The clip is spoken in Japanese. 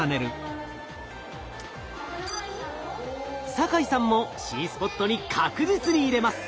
酒井さんもＣスポットに確実に入れます。